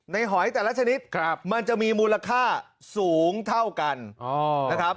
หอยแต่ละชนิดมันจะมีมูลค่าสูงเท่ากันนะครับ